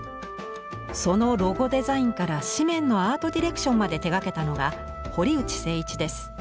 そのロゴデザインから紙面のアートディレクションまで手がけたのが堀内誠一です。